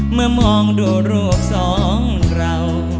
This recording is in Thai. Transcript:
เมื่อมองดูโรคสองเรา